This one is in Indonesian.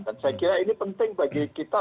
dan saya kira ini penting bagi kita